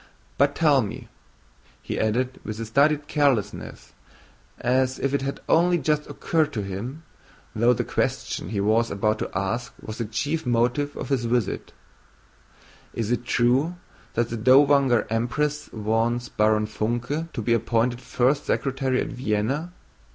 "But tell me," he added with studied carelessness as if it had only just occurred to him, though the question he was about to ask was the chief motive of his visit, "is it true that the Dowager Empress wants Baron Funke to be appointed first secretary at Vienna?